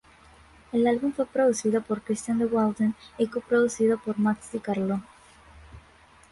El álbum fue producido por Christian de Walden y co-producido por Max di Carlo.